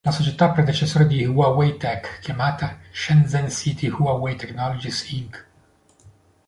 La società predecessore di Huawei Tech, chiamata Shenzhen City Huawei Technologies, Inc.